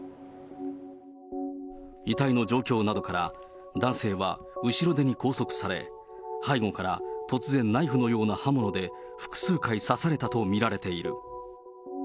遺体の状況などから、男性は後ろ手に拘束され、背後から突然、ナイフのような刃物で複数回刺されたと見られている。